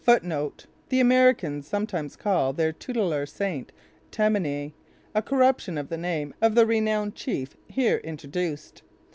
The Americans sometimes called their tutelar saint Tamenay, a corruption of the name of the renowned chief here introduced.